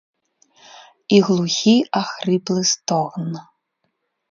І глухі ахрыплы стогн.